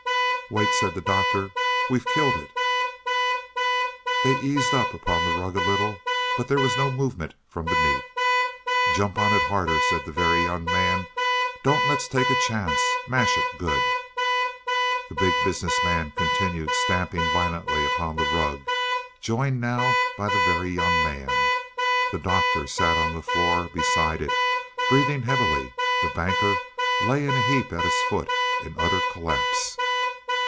"Wait," said the Doctor. "We've killed it." They eased upon the rug a little, but there was no movement from beneath. "Jump on it harder," said the Very Young Man. "Don't let's take a chance. Mash it good." The Big Business Man continued stamping violently upon the rug; joined now by the Very Young Man. The Doctor sat on the floor beside it, breathing heavily; the Banker lay in a heap at its foot in utter collapse.